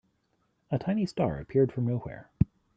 A tiny star appeared from nowhere.